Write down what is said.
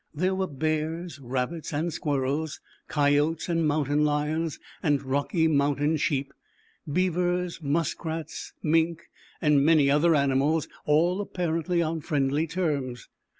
There were Bears, Rabbits and Squirrels, Coyotes and Mountain Lions and Rocky Mountain Sheep, Beavers, Muskrats, Mink and many other animals, all apparently on friendly terms.